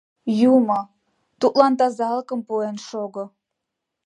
Юмо тудлан тазалыкым пуэн шого.